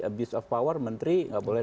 abuse of power menteri nggak boleh